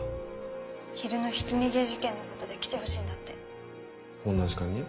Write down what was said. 昼のひき逃げ事件のことで来てほしいんだこんな時間に？